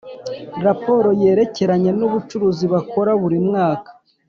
raporo yerekeranye n’ubucuruzi bakora buri mwaka